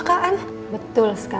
si buruk rupa